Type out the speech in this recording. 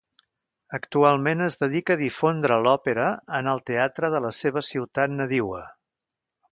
Actualment es dedica a difondre l'òpera en el teatre de la seva ciutat nadiua.